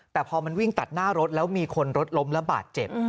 แต่พอมันวิ่งตัดหน้ารถแล้วมีคนรถล้มแล้วบาดเจ็บ